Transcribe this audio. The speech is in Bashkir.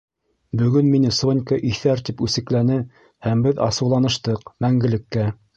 — Бөгөн мине Сонька «иҫәр» тип үсекләне һәм беҙ асыуланыштыҡ... мәңгелеккә.